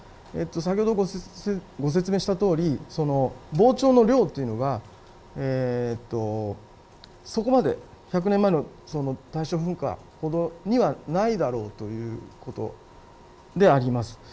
先ほどご説明したとおり、膨張の量というのはそこまで、１００年前の大正噴火ほどにはないだろうということであります。